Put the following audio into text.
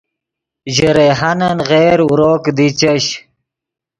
ژے ریحانن غیر اورو کیدی چش